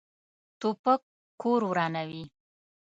توپک کور ورانوي.